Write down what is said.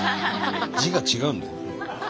字が違うんだよ。